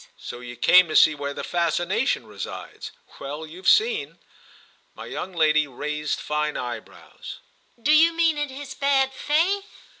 "So you came to see where the fascination resides? Well, you've seen!" My young lady raised fine eyebrows. "Do you mean in his bad faith?"